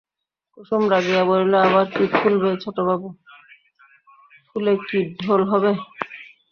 কুসুম রাগিয়া বলিল, আবার কী ফুলবে ছোটবাবু, ফুলে কি ঢোল হবে?